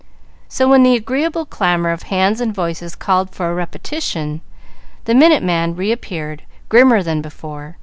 So, when the agreeable clamor of hands and voices called for a repetition, the Minute Man reappeared, grimmer than before.